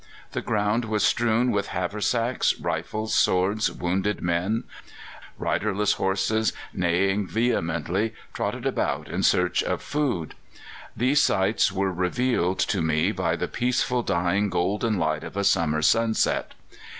The ground was strewn with haversacks, rifles, swords, wounded men; riderless horses, neighing vehemently, trotted about in search of food. These sights were revealed to me by the peaceful, dying golden light of a summer sunset.